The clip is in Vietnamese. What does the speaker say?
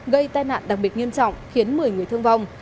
gây tai nạn đặc biệt nghiêm trọng khiến một mươi người thương vong